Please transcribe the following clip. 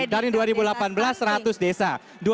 dari dua ribu delapan belas seratus desa